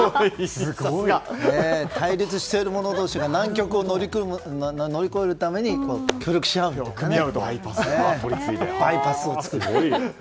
対立しているもの同士が難局を乗り越えるために協力し合ってバイパスを作ると。